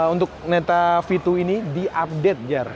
untuk neta v dua ini di update jar